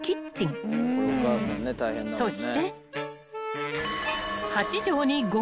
［そして］